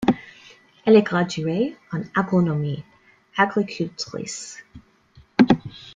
Elle est graduée en agronomie; agricultrice.